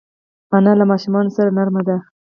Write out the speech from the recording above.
انا له ماشومانو سره نرمه ده